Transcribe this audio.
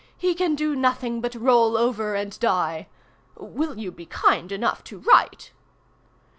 He can do nothing but roll over and die. Will you be kind enough to write?